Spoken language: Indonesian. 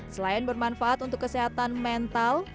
selain bermanfaat untuk kesehatan mental